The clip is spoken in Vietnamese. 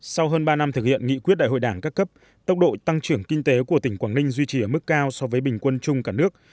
sau hơn ba năm thực hiện nghị quyết đại hội đảng các cấp tốc độ tăng trưởng kinh tế của tỉnh quảng ninh duy trì ở mức cao so với bình quân chung cả nước